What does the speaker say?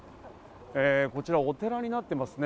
こちら、お寺になっていますね。